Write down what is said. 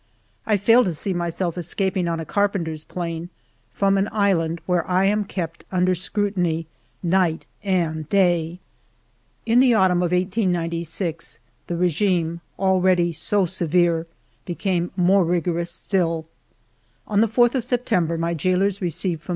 I fail to see myself escaping on a carpenter's plane from an island where I am kept under scrutiny night and day. 220 FIVE YEARS OF MY LIFE In the autumn of 1896, the regime, already so severe, became more rigorous still. On the 4th of September my jailers received from M.